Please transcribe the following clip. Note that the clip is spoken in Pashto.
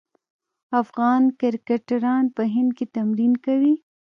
افغان کرکټران په هند کې تمرین کوي.